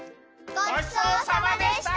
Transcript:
ごちそうさまでした！